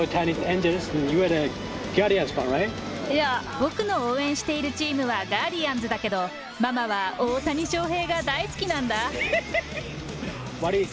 僕の応援しているチームはガーディアンズだけど、ママは大谷翔平が大好きなんだ。